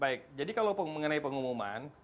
baik jadi kalau mengenai pengumuman